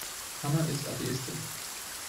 Hanna ist Atheistin.